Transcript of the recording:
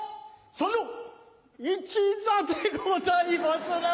その一座でございまする！